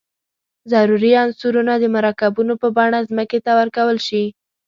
ضروري عنصرونه د مرکبونو په بڼه ځمکې ته ورکول شي.